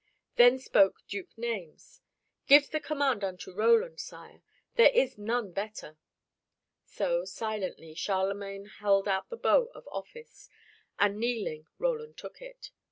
Then spoke Duke Naimes, "Give the command unto Roland, Sire; there is none better." So, silently, Charlemagne held out the bow of office, and kneeling, Roland took it.